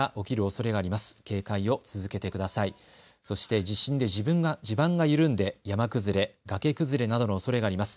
そして地震で地盤が緩んで山崩れ、崖崩れなどのおそれがあります。